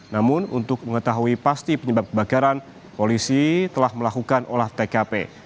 namun untuk mengetahui pasti penyebab kebakaran polisi telah melakukan olah tkp